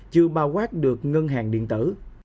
chứ bao quát được ngân hàng điện tử